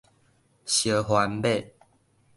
燒番麥